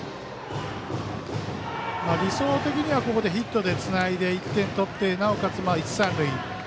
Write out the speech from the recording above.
理想的にはここでヒットでつないで１点取ってなおかつ一、三塁。